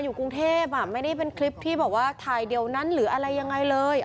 อยู่กรุงเทพไม่ได้เป็นคลิปที่บอกว่าถ่ายเดี๋ยวนั้นหรืออะไรยังไงเลย